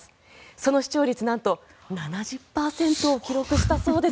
その視聴率、なんと７０％を記録したそうです。